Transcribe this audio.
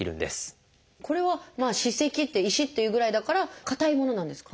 これは「歯石」って「石」っていうぐらいだから硬いものなんですか？